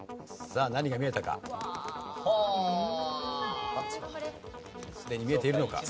さあ何が見えたか？